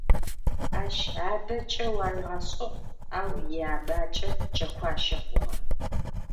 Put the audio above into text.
Ащ абэ кӏэу аригъэшӏыгъ, ау иабакӏэ кӏэкуащэ хъугъэ.